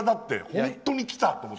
本当に来たと思って。